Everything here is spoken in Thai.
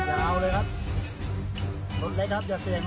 เอาออกกันเลยครับอย่าเอานะครับ